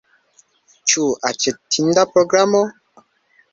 Ĉu aĉetinda programo?